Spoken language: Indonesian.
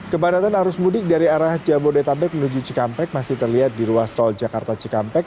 kepadatan arus mudik dari arah jabodetabek menuju cikampek masih terlihat di ruas tol jakarta cikampek